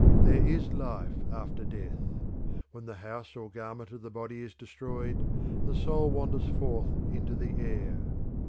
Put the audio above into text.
There is life after death. When the house or garment of the body is destroyed the soul wanders forth into the air.